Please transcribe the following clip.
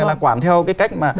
là quản theo cái cách mà